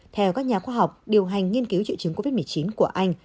theo các nhà khoa học điều hành nghiên cứu triệu chứng covid một mươi chín của anh